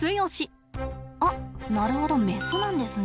あなるほどメスなんですね。